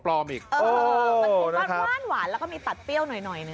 ปล่อยแล้วมีตัดเปรี้ยวหน่อย